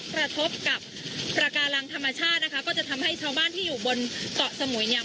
กระทบกับประการังธรรมชาตินะคะก็จะทำให้ชาวบ้านที่อยู่บนเกาะสมุยเนี่ย